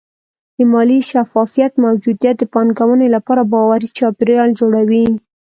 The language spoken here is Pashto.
د مالي شفافیت موجودیت د پانګونې لپاره باوري چاپېریال جوړوي.